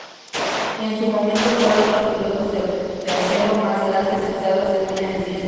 En su momento fueron los pilotes de acero más grandes usados en un edificio.